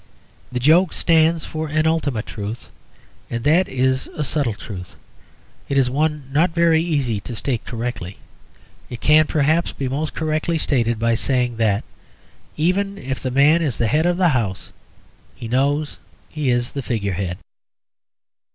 The joke stands for an ultimate truth, and that is a subtle truth. It is one not very easy to state correctly. It can, perhaps, be most correctly stated by saying that, even if the man is the head of the house, he knows he is the figurehead.